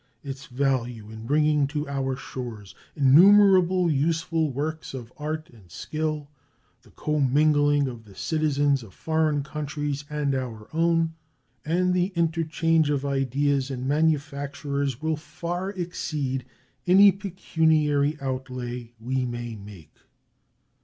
Its value in bringing to our shores innumerable useful works of art and skill, the commingling of the citizens of foreign countries and our own, and the interchange of ideas and manufactures will far exceed any pecuniary outlay we may make.